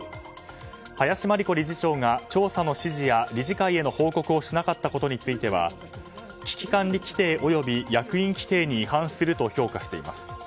林真理子理事長が調査の指示や理事会への報告をしなかったことについては危機管理規定及び役員規定に違反すると評価しています。